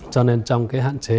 cho nên trong cái hạn chế